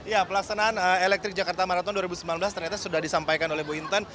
ya pelaksanaan elektrik jakarta marathon dua ribu sembilan belas ternyata sudah disampaikan oleh bu intan